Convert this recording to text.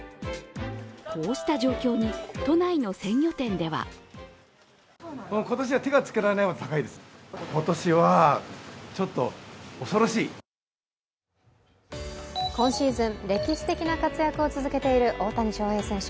こうした状況に都内の鮮魚店では今シーズン歴史的な活躍を続けている大谷翔平選手。